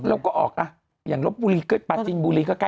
แล้วก็ออกอ่ะอย่างลบบุรีก็ปาจินบุรีก็ใกล้